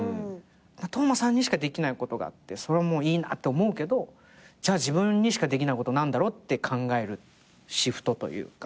斗真さんにしかできないことがあってそれもいいなって思うけどじゃあ自分にしかできないこと何だろうって考えるシフトというか。